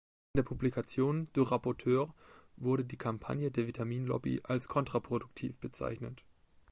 In der Publikation "De Rapporteur" wurde die Kampagne der Vitaminlobby als kontraproduktiv bezeichnet.